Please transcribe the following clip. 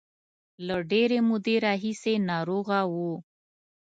له ډېرې مودې راهیسې ناروغه و.